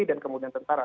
dan kemudian tentara